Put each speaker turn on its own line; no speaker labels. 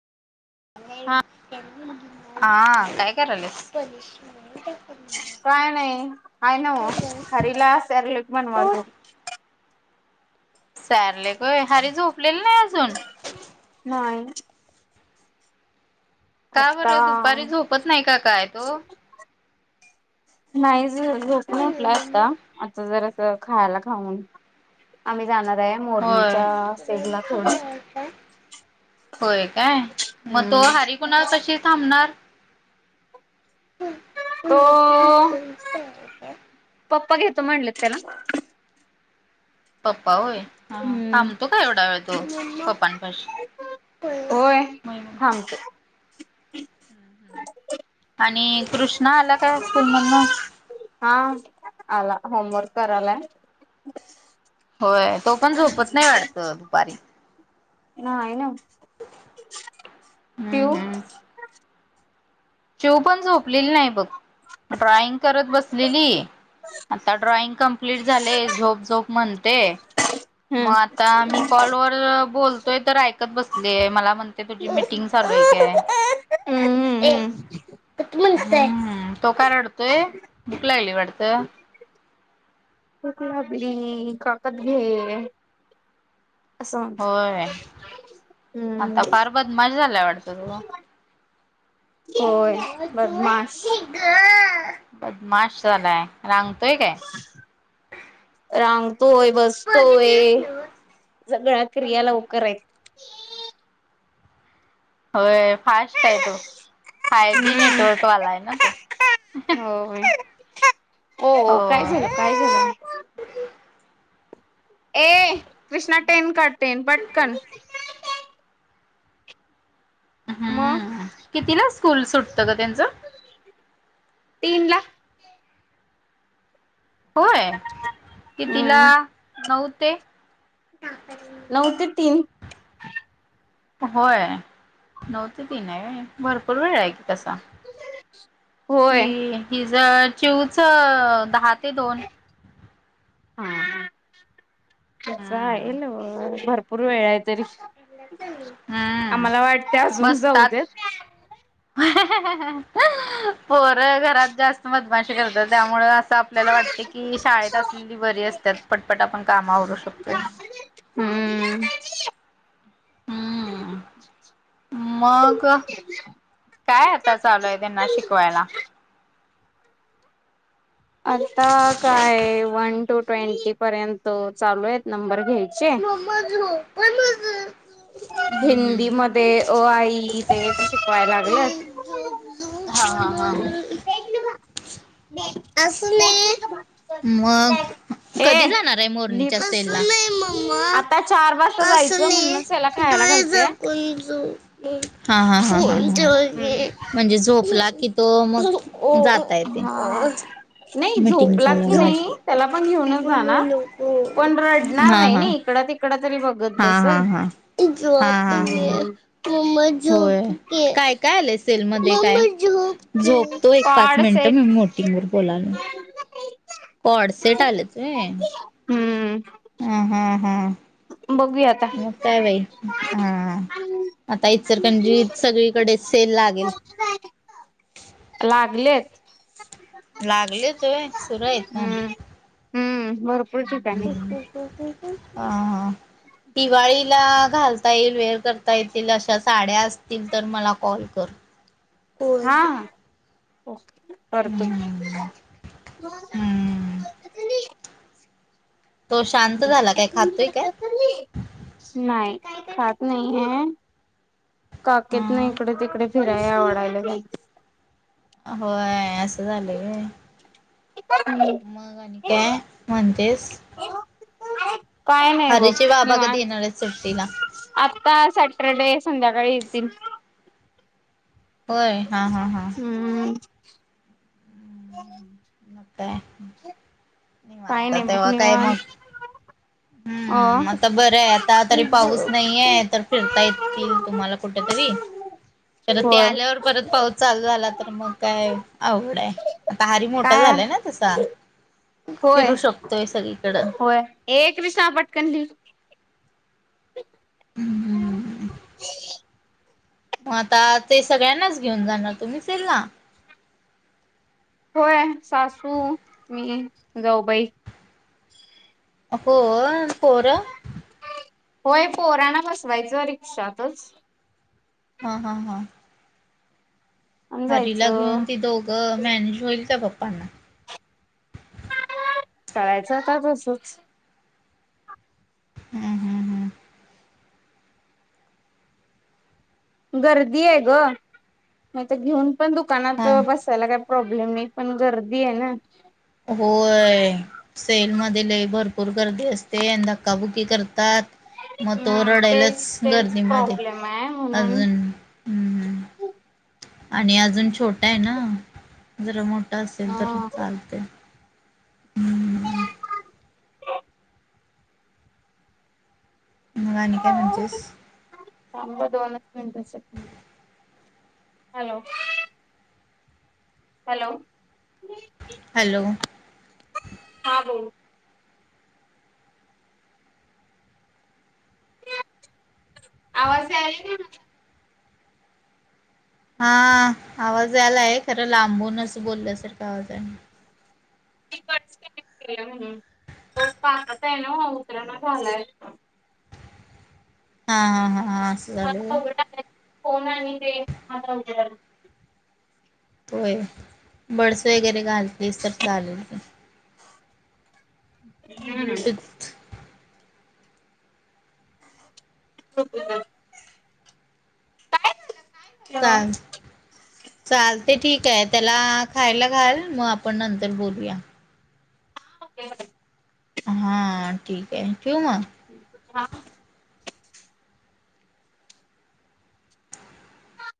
हा
हां काय करायलस?
काय नाई काय नव खरीला सेरेलेक बनवायचं.
सारलेक होय हारी झोपलेलं नाही आजून?
नाई
का
आता,
बरं दुपारी झोपत नाही का काय तो?
नाही झोपून, उठलोय आता,
होय.
आता जरासं, खायला खाऊन, आम्ही जाणार ये मोरणीच्या सेजला थोडे
काय, होय काय, मग
हम्म
तो हरी कुणा पशी थांबणार? हम.
तो पप्पा घेतो म्हणले, त्याला,
पप्पा होय, हा
हम्म
थांबतो का एवढा वेळ तो पप्पांपशी,
होय, हम, [unintelligible] [unintelligible]
आणि कृष्णाआला, काय स्कूलमधनं,
हा आला होमवर्क करायला य,
होय तो पण झोपत नाही वाटत, दुपारी,
नाही नव्ह, पिऊ,
हम्म पिऊ पण झोपलेली नाही बघ, ड्रॉईंग करत बसलेली, आता ड्रॉइंग कम्प्लीट झाले, झोप झोप म्हणते, मग
हम्म
आ आता मी कॉलवरर बोलतोय तर, ऐकत बसले मला म्हणते तुझी मीटिंग चालू आहे काय,
हम्म
एक,
हम्म
तो काय रडतोय, भूक लागली वाटत.
हम काकत घे, अस,
होय
हम्म,
मजा झालं वाटत म,
होय, बदमाश.
बदमास झालाय, रांगतोय काय?
रांगतोय, बसतोय,
बघितलंच नव्ह
सगळ्या क्रिया
त्याला.
लवकर येत,
होय फास्ट आहे तो, फायजी जी नेटवर्क वाला आहे ना तो.
होय
हो.
काय झालं, काय झालं, [unintelligible] मग?
किती ला स्कूल, सुटतं ग त्यांच.
तीन ला,
होय कितिला,
हम्म
नऊ ते, पर्यंत.
नऊ ते तीन,
होय नऊ ते तीन आहे, भरपूर वेळ आहे की, कसा,
होय
मी हि, ज चिवच.
हा,
त्यांना
[unintelligible] भरपूर वेळ आहे, तरी
चांगलं
आम्हाला
हम्म
वाटते, अजून जाऊ देत.
[unintelligible] पोर घरात जास्त, बधमाशी करत, त्यामुळे असं आपल्याला वाटते की, शाळेत अस, ली बरी असतात पटपट, आपण कामावरू शकतो.
हम्म,
हम्म
[unintelligible]
मग काय आता, चालूय त्यांना शिकवायला.
आता काय वन, टू ट्वेंटी पर्यंत चालू आहेत नंबर घ्यायचे.
[unintelligible] हम्म
हिंदी मध्ये अ, आ, ई ते तर शिकवाय लागलंत.
हम्म हा, हा, हा,
[inaudible]
असून मग
ए
कधी जाणार आहे मोरणीच्या सेल नाही म्मा
ार वा जायचं म्हण
हा, हा, म्हणजे, ला की तो मग, जातायेत,
हा नाही झोपला की नाही, त्याला पण
माझी
घेऊनच
बोलू
जाणार
नको
पण रडणार नाही नाही इकड त, कक तरी ब
हा हा हा हा हा
हम्म.
म काय काय आलं सेल मध्ये काय झोपतो एक पाच
कॉड
मिनिट मी
सेट
मोटंगर बोलाल हॉडसेट आलेचय
हम्म
हम हम् हम
बघूयात
मग काय बाई हा आता इत सरकणजी सगळीकडे सेल लागेल
लागलेत
लागले त सुरू येत ना
हम्म हम्म भरपूर ठिकाणी.
हा दिवाळीला घालता येईल वेअर करता येतील अशा साड्या असतील तर मला कॉल कर हो
हा हा ओके परत
हम्म हम्म तो शांत झाला काय खातोय काय
नाही खात नाही ह काकेत नाही
हा
इकडे तिकडे फिराय आवडायला
होय असं झालं
जायचं.
मग आणि काय म्हणजेच
काय नाही बघ
हरीचे
नि
बाबा कधी
वान
येणार आहेत सुट्टीला?
आता सॅटरडे संध्याकाळी येतील
होय हा हा हा
हम्म ह
काय मी
काही
मानत
नाही बघ
तेव्हा काय मग
ह
हम्म आता बरं आहे आता तरी पाऊस नाहीये तर फिरता येतील तुम्हाला कुठेतरी तर ते
होय
आल्यावर परत पाऊस चालू झाला तर मग काय आवड आहे आता हारी मोठा
काय
झालाय ना तसा फिरू शकतोय सगळीकडं
एक कृष्णा पटकन
हम्म हम्म मग आता ते सगळ्यांनाच घेऊन जाणार तुम्ही तेल ना
होय सासू मी जाऊबाई
अ हो परा
होय पोराणा बसवायचं रिक्षातच
हा हा हा
आणि
हरीला घेऊन
जायचं.
ती दोघं मॅनेज होईल का पप्पांना
करायचं आता तसंच
हम हम
गर्दी आहे ग मग तर घेऊन पण दुकानात
हा
बसायला काय प्रॉब्लेम नाही पण गर्दी आहे ना
होय सेलमध्येध ल भरपूर गर्दी असते आणि धक्काबुकी करतात मग तो
हम्म तेच
रडायलाच
तेच
गर्दीमध्ये
प्रॉब्लेम आहे म्हणून
अजून ह् आणि अजून छोटा आहे ना जरा मोठ असेल तर
हा
चालते् म आणि काय म्हणतीस?
थांब दोनच मिनटासाठी, हॅलो. हॅलो
हॅलो
हा बोल. आवाज याला का माझा?
हा आवाज यालाय खरं लांबूनचं बोलल्यासारखा आवाज हाय.
[unintelligible] काकत आहे ना ओ उतरण झालाय.
हा हा असू
[unintelligible]
होय, बडस वगैरे घालतीस तर चालेल की.
हम्म.
ब्लूटूथ
[unintelligible] काय झालं?
[unintelligible] चालतय ठीक आहे त्याला खायला घाल म आपण नंतर बोलूया.
[unintelligible]
हा ठीकय, ठिऊ म.
हा.